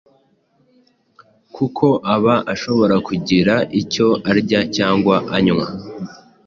kuko aba ashobora kugira icyo arya cyangwa anywa.